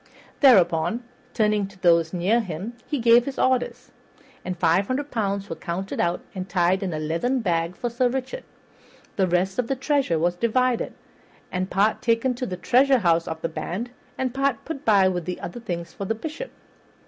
Thereupon, turning to those near him, he gave his orders, and five hundred pounds were counted out and tied up in a leathern bag for Sir Richard. The rest of the treasure was divided, and part taken to the treasurehouse of the band, and part put by with the other things for the Bishop.